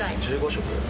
１５食？